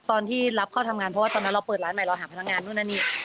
ตอนที่รับเข้าทำงานเพราะว่าตอนนั้นเราเปิดร้านใหม่เราหาพนักงานนู่นนั่นนี่